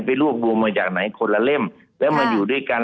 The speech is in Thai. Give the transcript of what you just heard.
ไปรวบรวมมาจากไหนคนละเล่มแล้วมาอยู่ด้วยกัน